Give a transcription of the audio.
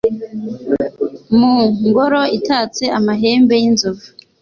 mu ngoro itatse amahembe y’inzovu